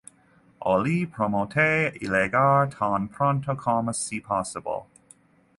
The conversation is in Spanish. Ollie promete llegar tan pronto como sea posible.